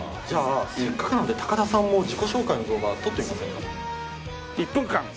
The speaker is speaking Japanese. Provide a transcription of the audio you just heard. じゃあせっかくなので高田さんも自己紹介の動画撮ってみませんか？